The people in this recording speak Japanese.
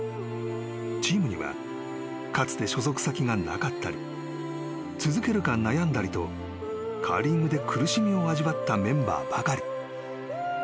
［チームにはかつて所属先がなかったり続けるか悩んだりとカーリングで苦しみを味わったメンバーばかり］